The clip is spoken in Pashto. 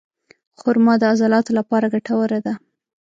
خرما د عضلاتو لپاره ګټوره ده.